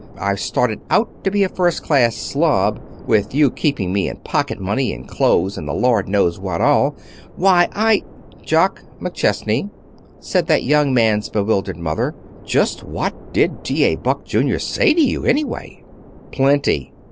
I've started out to be a first class slob, with you keeping me in pocket money, and clothes, and the Lord knows what all. Why, I " "Jock McChesney," said that young man's bewildered mother, "just what did T. A. Buck, Junior, say to you anyway?" "Plenty.